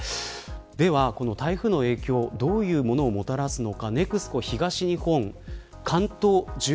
では、台風の影響どういうものをもたらすのか。